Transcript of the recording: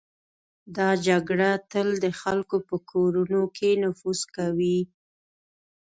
دا جګړه تل د خلکو په کورونو کې نفوذ کوي.